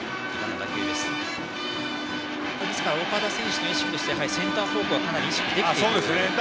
岡田選手としてはセンター方向はかなり意識できているんでしょうね。